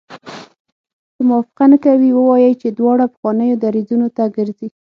که موافقه نه کوي ووایي چې دواړه پخوانیو دریځونو ته ګرځي.